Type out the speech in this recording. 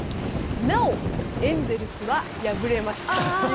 なお、エンゼルスは敗れました。